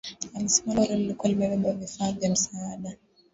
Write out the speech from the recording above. Alisema lori lilikuwa limebeba vifaa vya msaada